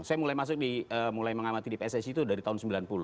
saya mulai masuk mulai mengamati di pssi itu dari tahun sembilan puluh